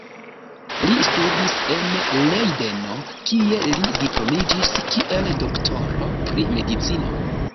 Li studis en Lejdeno kie li diplomiĝis kiel doktoro pri medicino.